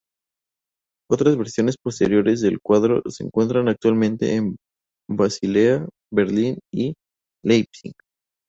Otras versiones posteriores del cuadro se encuentran actualmente en Basilea, Berlín y Leipzig.